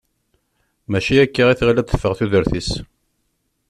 Mačči akka i tɣil ad teffeɣ tudert-is.